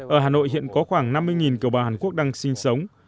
ở hà nội hiện có khoảng năm mươi kiều bào hàn quốc đang sinh sống